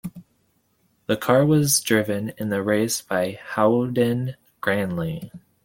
The car was driven in the race by Howden Ganley.